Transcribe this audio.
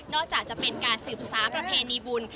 นอกจากจะเป็นการสืบสาประเพณีบุญ